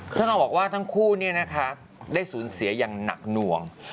ก็ต้องบอกว่าทั้งคู่เนี่ยนะคะได้ศูนย์เสียอย่างหนักหน่วง